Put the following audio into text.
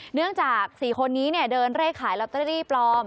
เนื่องจาก๔คนนี้เดินเลขขายลอตเตอรี่ปลอม